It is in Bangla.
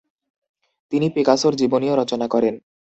তিনি পিকাসোর জীবনীও রচনা করেন।